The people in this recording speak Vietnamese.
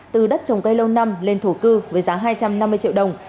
từ đất trồng cây lâu năm lên thổ cư với giá hai trăm năm mươi triệu đồng